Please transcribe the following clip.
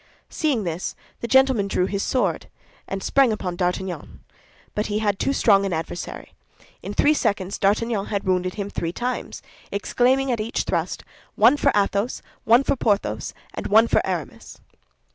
Seeing this, the gentleman drew his sword, and sprang upon D'Artagnan; but he had too strong an adversary. In three seconds D'Artagnan had wounded him three times, exclaiming at each thrust, "One for Athos, one for Porthos; and one for Aramis!"